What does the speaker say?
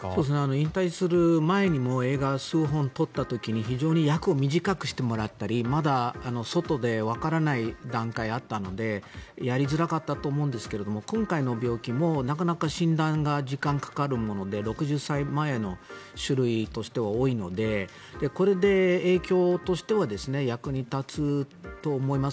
引退する前にも映画、数本撮った時に非常に役を短くしてもらったりまだ外でわからない段階だったのでやりづらかったと思うんですが今回の病気もなかなか診断が時間がかかるもので６０歳前の種類としては多いのでこれで影響としては役に立つと思います。